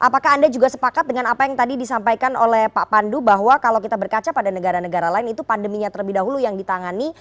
apakah anda juga sepakat dengan apa yang tadi disampaikan oleh pak pandu bahwa kalau kita berkaca pada negara negara lain itu pandeminya terlebih dahulu yang ditangani